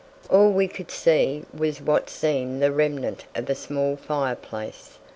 All we could see was what seemed the remnant of a small fireplace.